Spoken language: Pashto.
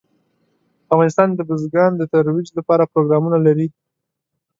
افغانستان د بزګان د ترویج لپاره پروګرامونه لري.